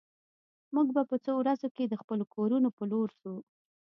موږ به په څو ورځو کې د خپلو کورونو په لور ځو